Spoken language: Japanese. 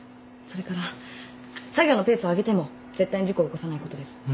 それから作業のペースを上げても絶対に事故起こさないことです。